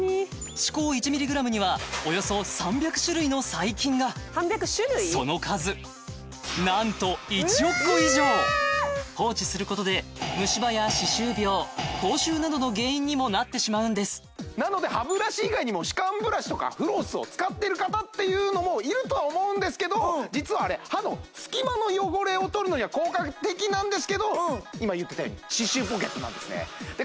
歯垢１ｍｇにはおよそ３００種類の細菌がその数何と１億個以上放置することでなどの原因にもなってしまうんですなので歯ブラシ以外にも歯間ブラシとかフロスを使っている方っていうのもいるとは思うんですけど実はあれ歯の隙間の汚れを取るのには効果的なんですけど今言ってたように歯周ポケットなんですねで